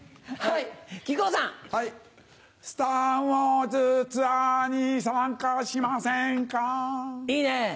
いいね。